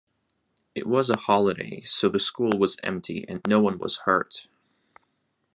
It was a holiday, so the school was empty and no one was hurt.